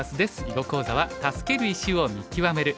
囲碁講座は「助ける石を見極める」。